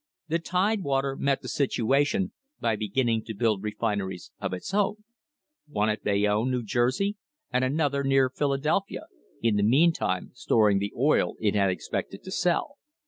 The Tidewater met the situation by beginning to build refineries of its own one at Bayonne, New Jersey, and another near Philadelphia in the meantime storing the oil it had expected to sell.